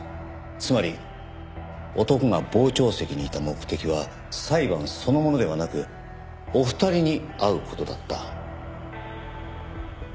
つまり男が傍聴席にいた目的は裁判そのものではなくお二人に会う事だった。